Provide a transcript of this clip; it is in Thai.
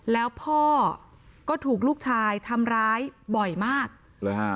แล้วพ่อก็ถูกลูกชายทำร้ายบ่อยมากเลยฮะ